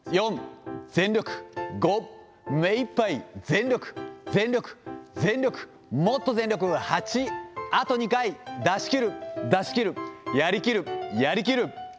４、全力、５、めいっぱい、全力、全力、全力、もっと全力、８、あと２回、出し切る、出し切る、やり切る、やり切る。